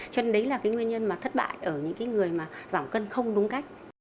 cho nên đấy là cái nguyên nhân mà thất bại ở những cái người mà giảm cân không đúng cách